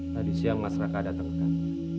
tadi siang masyarakat datang ke kamar